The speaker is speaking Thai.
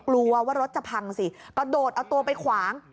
กลัวว่ารถจะพังสิกระโดดเอาตัวไปขวาง